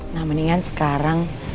nah mendingan sekarang